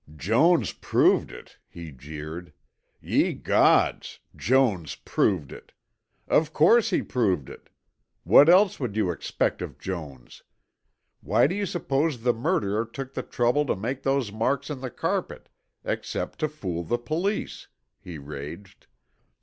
"Jones proved it!" he jeered. "Ye gods! Jones proved it! Of course he proved it. What else would you expect of Jones? Why do you suppose the murderer took the trouble to make those marks in the carpet except to fool the police?" he raged.